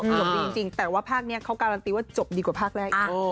หลบดีจริงแต่ว่าภาคนี้เขาการันตีว่าจบดีกว่าภาคแรกอีก